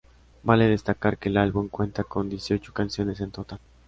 Vale destacar que el álbum cuenta con dieciocho canciones en total.